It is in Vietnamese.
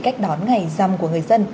cách đón ngày giảm của người dân